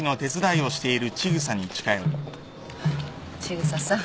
千草さん。